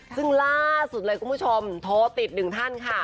ซึ่งล่าสุดเลยคุณผู้ชมโทรติดหนึ่งท่านค่ะ